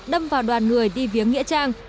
đâm vào đoàn người đi viếng nghĩa trang